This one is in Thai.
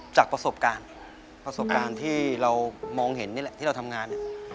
จากประสบการณ์ประสบการณ์ที่เรามองเห็นนี่แหละที่เราทำงานเนี่ย